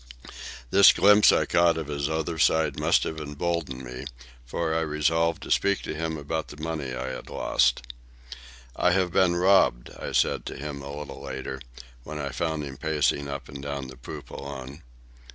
This glimpse I had caught of his other side must have emboldened me, for I resolved to speak to him about the money I had lost. "I have been robbed," I said to him, a little later, when I found him pacing up and down the poop alone.